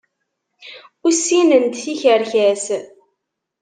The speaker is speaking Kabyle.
Ur sinnent tikerkas.